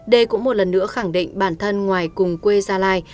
đây cũng một lần nữa khẳng định bản thân ngoài cùng quê gia lai